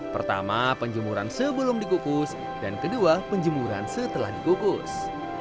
pertama penjemuran sebelum dikukus dan kedua penjemuran setelah dikukus